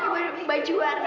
lu pake baju apa ke pesta